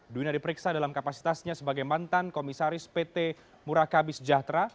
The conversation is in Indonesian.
duwina diperiksa dalam kapasitasnya sebagai mantan komisaris pt murakabi sejahtera